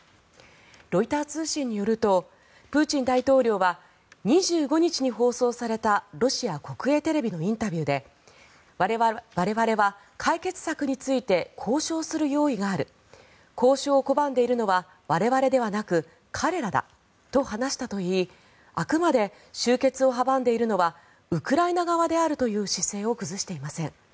ロイター通信によるとプーチン大統領は２５日に放送されたロシア国営テレビのインタビューで我々は解決策について交渉する用意がある交渉を拒んでいるのは我々ではなく彼らだと話したといいあくまで終結を阻んでいるのはウクライナ側であるという姿勢を崩していません。